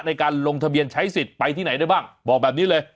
ในการลงทะเบียนใช้สิทธิ์ไปที่ไหนได้บ้างบอกแบบนี้เลย